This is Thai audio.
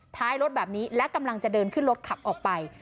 ท้ายรถแบบนี้และกำลังจะเดินขึ้นรถขับออกไป